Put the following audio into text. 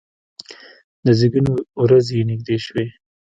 د زیږون ورځې یې نږدې شوې.